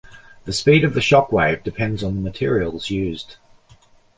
The speed of the shock wave depends on the materials used.